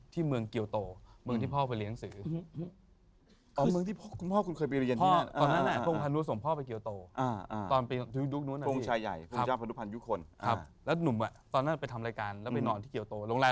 แล้วนอกเราก็ไม่เคยเลย